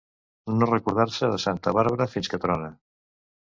No recordar-se de Santa Bàrbara fins que trona.